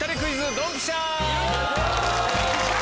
ドンピシャ！